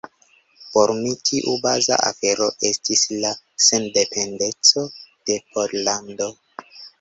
Por mi tiu baza afero estis la sendependeco de Pollando.